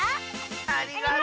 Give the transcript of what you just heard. ありがとう！